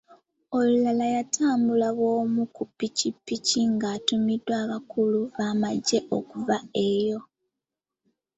Olulala yatambula bw'omu ku ppikipiki ng'atumiddwa abakulu b'amaggye okuva eyo.